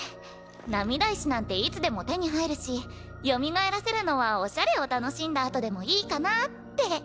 涙石なんていつでも手に入るし蘇らせるのはおしゃれを楽しんだあとでもいいかなぁって。